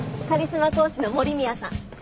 カリスマ講師の森宮さん。